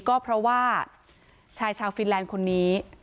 ก็เพราะว่าชายชาวฟินแลนด์คนนี้